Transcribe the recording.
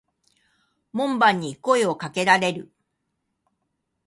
門番に声を掛けられる。